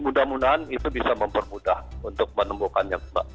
mudah mudahan itu bisa mempermudah untuk menemukannya mbak